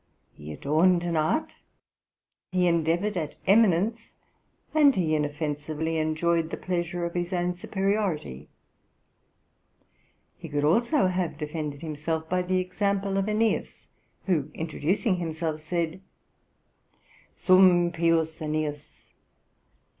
He adorned an art, he endeavoured at eminence, and he inoffensively enjoyed the pleasure of his own superiority. He could also have defended himself by the example of Aeneas, who, introducing himself, said: 'Sum pius Aeneas ........